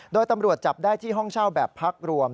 โดยตำรวจจับได้ที่ห้องเช่าแบบพักรวม